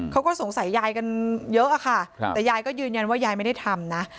เขาก็สงสัยยายกันเยอะอะค่ะแต่ยายก็ยืนยันว่ายายไม่ได้ทำนะ